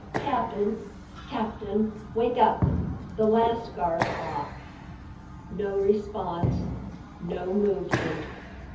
"Captain! Captain! Wake up! The lascars off!" No response. No movement.